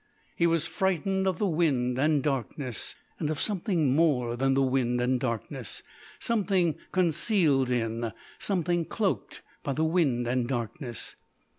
He was frightened of the wind and darkness, and of something more than the wind and darkness something concealed in something cloaked by the wind and darkness.